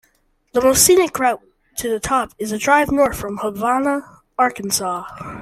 The most scenic route to the top is a drive north from Havana, Arkansas.